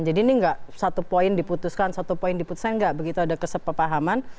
jadi ini nggak satu poin diputuskan satu poin diputuskan nggak begitu ada kesepahaman